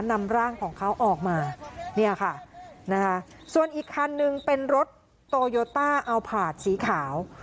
นำร่างของเขาออกมาเนี่ยค่ะนะคะส่วนอีกคันนึงเป็นรถโตโยต้าเอาผาดสีขาว